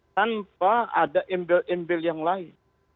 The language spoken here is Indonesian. tanpa ada embel embel yang lain